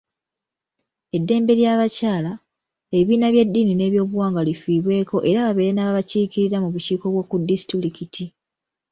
Eddembe ly’abakyala, ebibiina by’eddini n’ebyobuwangwa lifiibweko era babeere n’ababakiikirira mu bukiiko bw’oku disitulikiti.